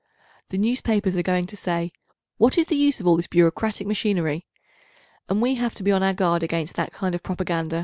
The newspapers are going to say "What is the use of all this bureaucratic machinery?" and we have to be on our guard against that kind of propaganda.